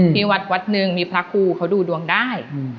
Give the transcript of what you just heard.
มีวัดนึงมีภาคกูเขาดูดวงได้